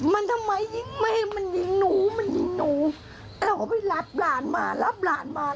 มันทำไมยิงไม่ให้มันยิงหนูมันยิงหนูเราก็ไปรับหลานมารับหลานมา